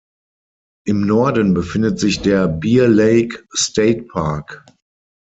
Im Norden befindet sich der Bear Lake State Park.